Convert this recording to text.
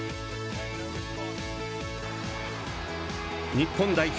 日本代表